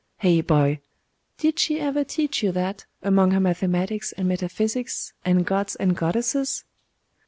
Eh, boy! Did she ever teach you that among her mathematics and metaphysics, and gods and goddesses?